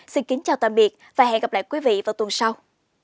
xin kính chào tạm biệt và hẹn gặp lại quý vị vào tuần sau